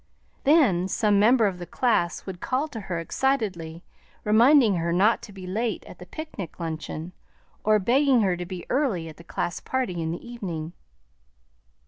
Then some member of the class would call to her excitedly, reminding her not to be late at the picnic luncheon, or begging her to be early at the class party in the evening.